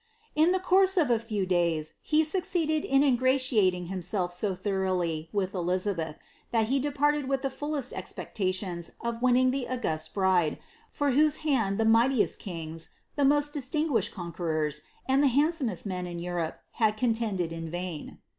In tiie course of a few days he succeeded in ingratiating himself so thoroughly with Elizabeth, that he departed with the fullest expectations of winning the august bride, for whose hand the mightiest kings, the most distinguished conquerors, and the handsomest men in Europe had contended in vain.